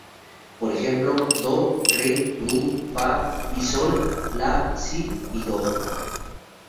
Por ejemplo: "do, re, mi, fa" y "sol, la, si" y "do".